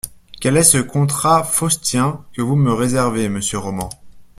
Quel est ce contrat faustien que vous me réservez monsieur Roman.